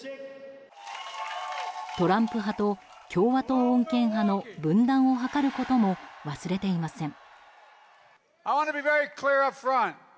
トランプ派と共和党穏健派の分断を図ることも忘れていません。